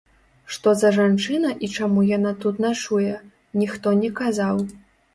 Што за жанчына і чаму яна тут начуе, ніхто не казаў.